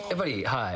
はい。